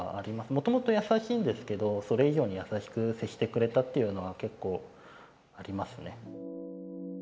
もともと優しいんですけどそれ以上に優しく接してくれたっていうのは結構ありますね。